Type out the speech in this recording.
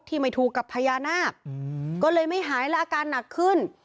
ไม่ถูกกับพญานาคก็เลยไม่หายและอาการหนักขึ้น